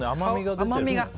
甘みが。